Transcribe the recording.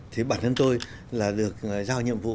thì bản thân tôi là được giao nhiệm vụ